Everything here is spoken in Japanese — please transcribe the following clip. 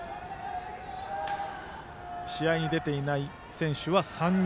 試合に出ていない選手は３人。